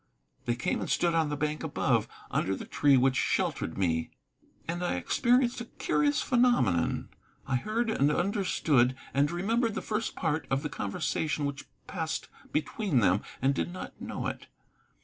They came and stood on the bank above, under the tree which sheltered me. And I experienced a curious phenomenon. I heard, and understood, and remembered the first part of the conversation which passed between them, and did not know it.